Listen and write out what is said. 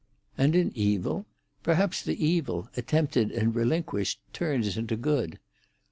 "And in evil? Perhaps the evil, attempted and relinquished, turns into good."